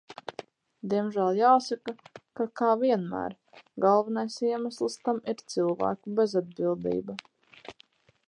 Diemžēl jāsaka, ka, kā vienmēr, galvenais iemesls tam ir cilvēku bezatbildība.